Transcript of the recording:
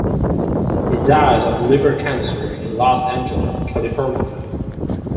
He died of liver cancer in Los Angeles, California.